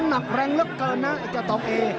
นักแรงเหลอะเกินนะจริงต่อมเอ